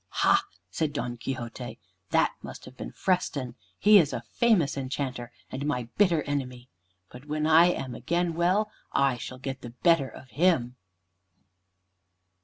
"Ha!" said Don Quixote. "That must have been Freston. He is a famous enchanter, and my bitter enemy. But when I am again well I shall get the better of him."